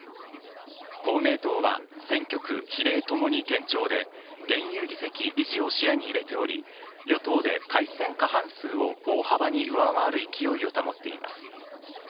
公明党は選挙区、比例ともに堅調で、現有議席維持を視野に入れており、与党で改選過半数を大幅に上回る勢いを保っています。